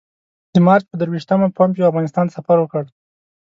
د مارچ پر درویشتمه پومپیو افغانستان ته سفر وکړ.